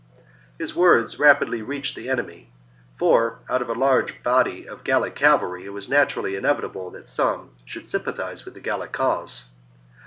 His words rapidly reached the enemy ; for out of a large body of Gallic cavalry it was naturally inevitable that some should sympathize with the Gallic cause.